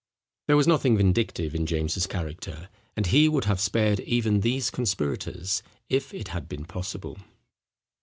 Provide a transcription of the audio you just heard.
There was nothing vindictive in James's character; and he would have spared even these conspirators, if it had been possible.